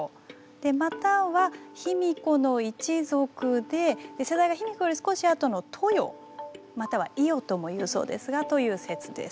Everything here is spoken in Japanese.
または卑弥呼の一族で世代が卑弥呼より少し後の台与または壱与とも言うそうですがという説です。